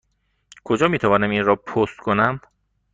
کجا می توانم این را پست کنم؟